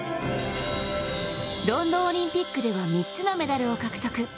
ロンドンオリンピックでは３つのメダルを獲得。